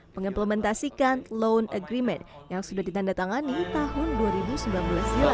mengimplementasikan loan agreement yang sudah ditandatangani tahun dua ribu sembilan belas silam